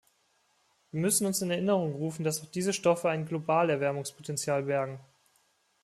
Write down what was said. Wir müssen uns in Erinnerung rufen, dass auch diese Stoffe ein Globalerwärmungspotenzial bergen.